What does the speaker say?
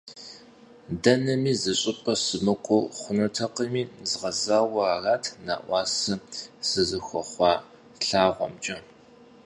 Дэнэми зыщӀыпӀэ сымыкӀуэу хъунутэкъыми, згъэзауэ арат нэӀуасэ сызыхуэхъуа лъагъуэмкӀэ.